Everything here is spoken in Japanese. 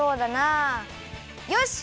よし！